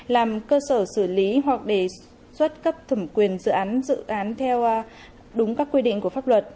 làm cơ sở xử lý hoặc đề xuất cấp thẩm quyền dự án dự án theo đúng các quy định của pháp luật